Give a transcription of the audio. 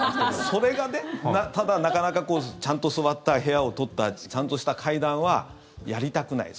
それがね、ただなかなかちゃんと座った部屋を取ったちゃんとした会談はやりたくない。